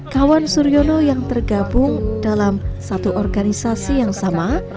kawan suryono yang tergabung dalam satu organisasi yang sama